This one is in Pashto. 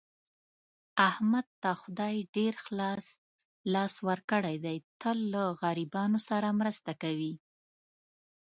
احمد ته خدای ډېر خلاص لاس ورکړی دی، تل له غریبانو سره مرسته کوي.